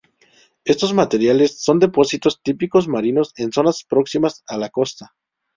Estos materiales son depósitos típicos marinos en zonas próximas a la costa.